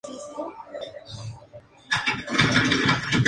Cada episodio consistía de tres capítulos.